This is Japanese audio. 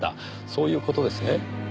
そういう事ですね？